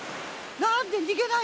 なんでにげないのよ！